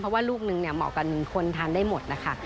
เพราะว่าลูกหนึ่งเหมาะกับคนทานได้หมดนะคะ